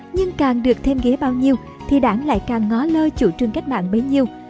nhưng càng được thêm ghế bao nhiêu thì đảng lại càng ngó lơ chủ trương cách mạng bấy nhiêu